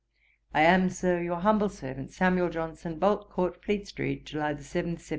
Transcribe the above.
'I am, Sir, your humble servant, 'SAM. JOHNSON.' 'Bolt Court, Fleet street, July 7, 1777.'